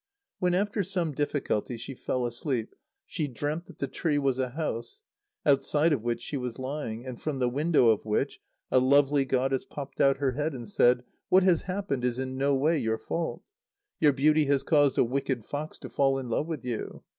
When, after some difficulty, she fell asleep, she dreamt that the tree was a house, outside of which she was lying, and from the window of which a lovely goddess popped out her head and said: "What has happened is in no way your fault. Your beauty has caused a wicked fox to fall in love with you.